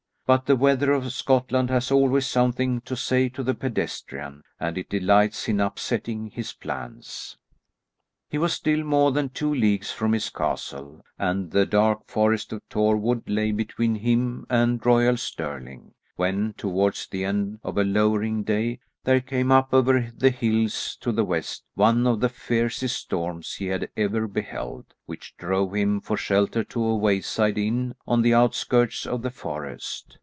But the weather of Scotland has always something to say to the pedestrian, and it delights in upsetting his plans. He was still more than two leagues from his castle, and the dark Forest of Torwood lay between him and royal Stirling, when towards the end of a lowering day, there came up over the hills to the west one of the fiercest storms he had ever beheld, which drove him for shelter to a wayside inn on the outskirts of the forest.